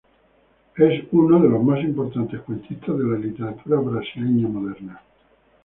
Es uno los más importantes cuentistas de la literatura brasileña moderna.